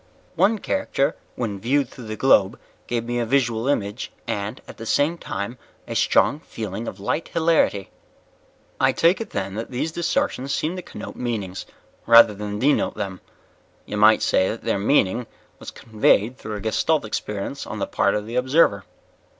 "One character when viewed through the globe gave me a visual image and, at the same time, a strong feeling of light hilarity." "I take it then that these distortions seemed to connote meanings, rather than denote them. You might say that their meaning was conveyed through a Gestalt experience on the part of the observer."